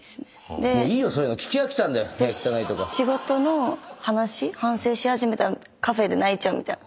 で仕事の話？反省し始めたらカフェで泣いちゃうみたいな。